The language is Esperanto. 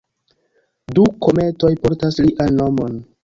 Du kometoj portas lian nomon.